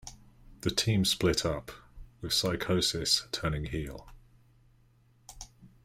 The team split up, with Psicosis turning heel.